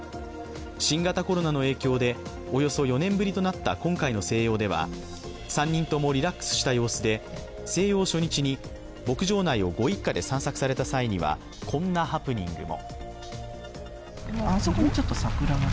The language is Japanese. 新型コロナの影響でおよそ４年ぶりとなった今回の静養では、３人ともリラックスした様子で静養初日に牧場内をご一家で散策された際には、こんなハプニングも。